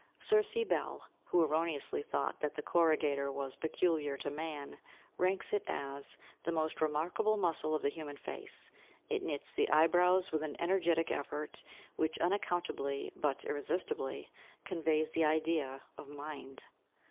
Sir C. Bell, who erroneously thought that the corrugator was peculiar to man, ranks it as "the most remarkable muscle of the human face. It knits the eyebrows with an energetic effort, which unaccountably, but irresistibly, conveys the idea of mind."